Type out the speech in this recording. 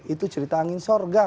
itu cerita angin sorga